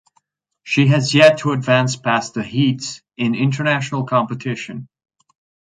She has yet to advance past the heats in international competition.